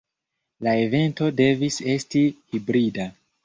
La evento devis esti hibrida.